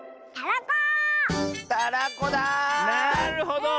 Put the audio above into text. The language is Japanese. なるほど。